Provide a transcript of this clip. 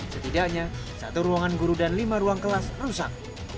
setidaknya satu ruangan guru dan lima ruang kelas rusak